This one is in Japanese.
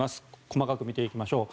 細かく見ていきましょう。